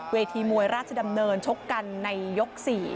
เวทีมวยราชดำเนินชกกันในยก๔